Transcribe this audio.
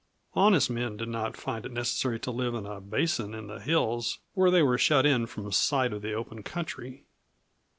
Honest men did not find it necessary to live in a basin in the hills where they were shut in from sight of the open country.